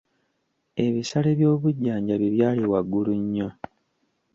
Ebisale by'obujjanjabi byali waggulu nnyo.